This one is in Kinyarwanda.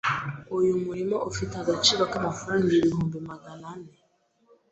uyu murima ufite agaciro k’amafaranga ibihumbi magana ane